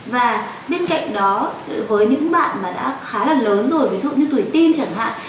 và bên cạnh đó với những bạn mà đã khá là lớn rồi ví dụ như tuổi tin chẳng hạn